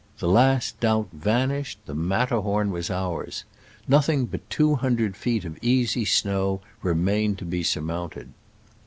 The last doubt vanished ! The Matter horn was ours ! Nothing but two hun dred feet of easy snow remained to be surmounted